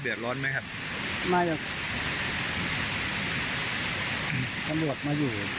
อุ่นเกิดก็ไม่เท่า